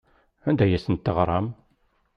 Anda ay asen-teɣram?